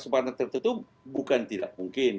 sempat tertutup bukan tidak mungkin